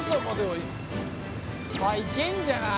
あっいけんじゃない？